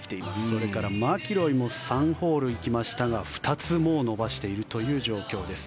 それからマキロイも３ホール行きましたが２つ伸ばしているという状況です。